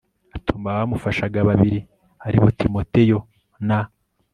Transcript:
Atuma abamufashaga babiri ari bo Timoteyo na